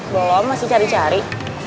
belum masih cari cari